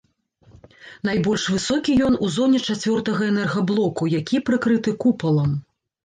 Найбольш высокі ён у зоне чацвёртага энергаблоку, які прыкрыты купалам.